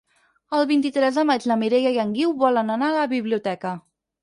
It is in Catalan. El vint-i-tres de maig na Mireia i en Guiu volen anar a la biblioteca.